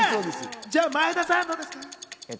じゃあ前田さん、どうですか？